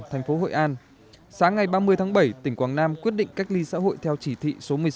thành phố hội an sáng ngày ba mươi tháng bảy tỉnh quảng nam quyết định cách ly xã hội theo chỉ thị số một mươi sáu